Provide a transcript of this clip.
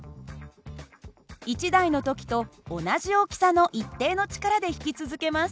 １台の時と同じ大きさの一定の力で引き続けます。